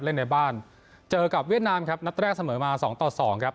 เล่นในบ้านเจอกับเวียดนามครับนัดแรกเสมอมาสองต่อสองครับ